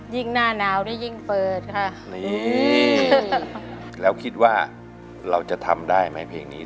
หน้าหนาวนี่ยิ่งเปิดค่ะนี่แล้วคิดว่าเราจะทำได้ไหมเพลงนี้